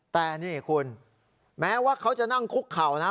แต่นี่คุณแม้ว่าเขาจะนั่งคุกเข่านะ